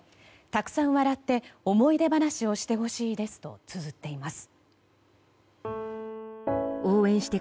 たくさん笑って思い出話をしてほしいですとつづっています。